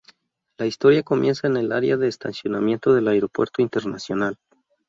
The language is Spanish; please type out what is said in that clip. La historia comienza en el área de estacionamiento del aeropuerto internacional.